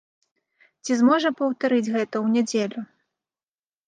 Ці зможа паўтарыць гэта ў нядзелю?